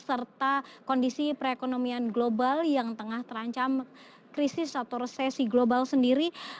serta kondisi perekonomian global yang tengah terancam krisis atau resesi global sendiri